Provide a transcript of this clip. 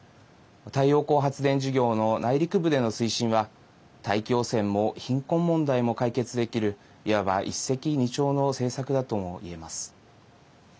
太陽光発電事業の内陸部での推進は大気汚染も貧困問題も解決できるいわば一石二鳥の政策だともいえます。